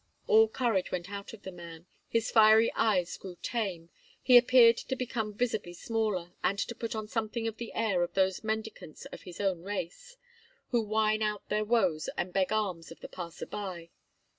All courage went out of the man, his fiery eyes grew tame, he appeared to become visibly smaller, and to put on something of the air of those mendicants of his own race, who whine out their woes and beg alms of the passer by.